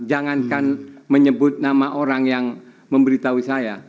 jangankan menyebut nama orang yang memberitahu saya